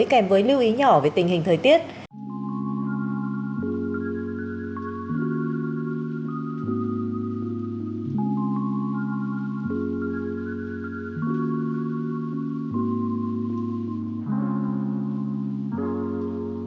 cảm ơn các bạn đã theo dõi và hẹn gặp lại